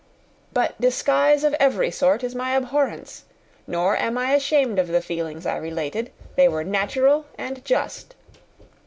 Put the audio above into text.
But disguise of every sort is my abhorrence. Nor am I ashamed of the feelings I related. They were natural and just.